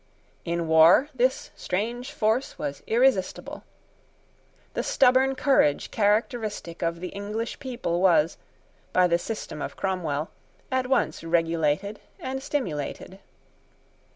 In war this strange force was irresistible. The stubborn courage characteristic of the English people was, by the system of Cromwell, at once regulated and stimulated.